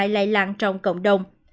lây lan trong cộng đồng